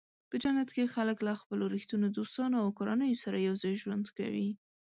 په جنت کې خلک له خپلو رښتینو دوستانو او کورنیو سره یوځای ژوند کوي.